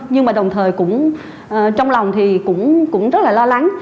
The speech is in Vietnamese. nhưng mà đồng thời cũng trong lòng thì cũng rất là lo lắng